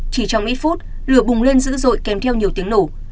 chỉ trong ít phút lửa bùng lên dữ dội kèm theo nhiều tiếng nổ